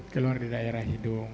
keluar di daerah hidung